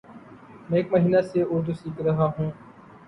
میں ایک مہینہ سے اردو سیکھرہاہوں